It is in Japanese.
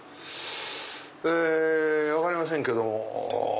え分かりませんけども。